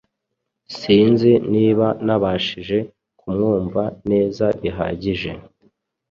Sinzi niba nabashije kumwumva neza bihagije.